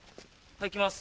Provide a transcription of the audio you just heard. はい行きます